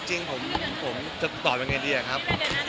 จริงผมจะตอบยังไงดีอะครับ